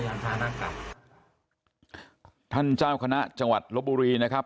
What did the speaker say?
อย่างทางนักการท่านจ้าวคณะจังหวัดลบบุรีนะครับ